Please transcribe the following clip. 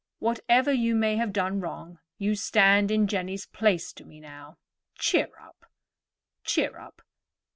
Whatever you may have done wrong, you stand in Jenny's place to me now. Cheer up, cheer up."